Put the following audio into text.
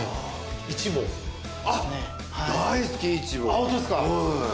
あっ本当ですか。